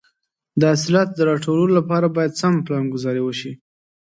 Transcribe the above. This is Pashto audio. د حاصلاتو د راټولولو لپاره باید سمه پلانګذاري وشي.